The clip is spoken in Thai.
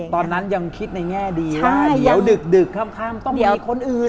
ตอนนั้นยังคิดในแง่ดีว่าเดี๋ยวดึกค่ำต้องมีคนอื่น